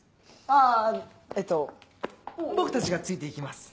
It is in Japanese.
あえっと僕たちがついて行きます。